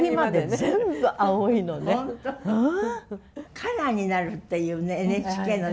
カラーになるっていうねＮＨＫのね。